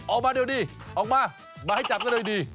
ออกมาเร็วดี